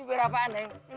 ini berapa neng